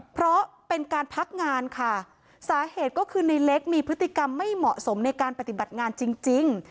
เพราะเป็นการพักงานค่ะสาเหตุก็คือในเล็กมีพฤติกรรมไม่เหมาะสมในการปฏิบัติงานจริงจริง